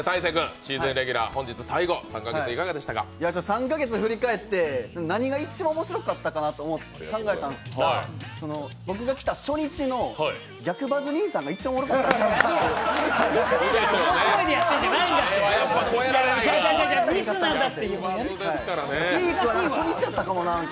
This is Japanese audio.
３か月振り返って、何が一番面白かったかなと考えたんですけど僕が来た初日の、逆バズ兄さんが一番面白かったんじゃないかなと。